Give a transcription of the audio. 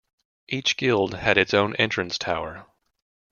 Each guild had its own entrance tower.